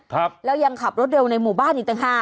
ครับแล้วยังขับรถเร็วในหมู่บ้านอีกต่างหาก